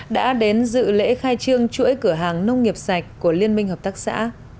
đã đến dự lễ khai trương chuỗi cửa hàng nông nghiệp sạch của liên minh hợp tác xã